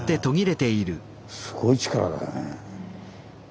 すごい力だね。